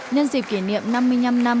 nhân dịp kỷ niệm năm mươi năm năm